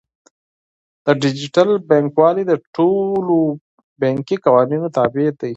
ډیجیټل بانکوالي د ټولو بانکي قوانینو تابع ده.